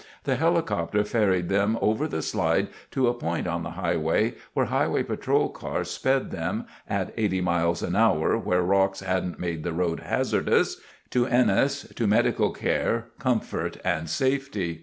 The helicopter ferried them over the slide to a point on the highway where Highway Patrol cars sped them—at 80 miles an hour where rocks hadn't made the road hazardous—to Ennis, to medical care, comfort, and safety.